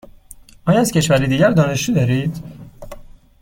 آیا از کشورهای دیگر دانشجو دارید؟